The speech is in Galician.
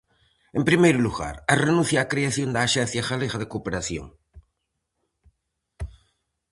En primeiro lugar, a renuncia á creación da Axencia Galega de Cooperación.